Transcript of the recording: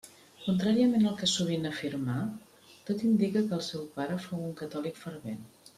Contràriament al que sovint afirmà, tot indica que el seu pare fou un catòlic fervent.